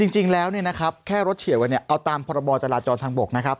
จริงแล้วแค่รถเฉียวกันเอาตามพรบจราจรทางบกนะครับ